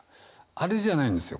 あれじゃないんですよ